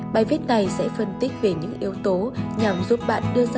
bài viết này sẽ phân tích về những yếu tố nhằm giúp bạn đưa ra